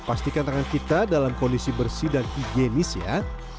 pastikan tangan kita dalam kondisi bersih dan higienis ya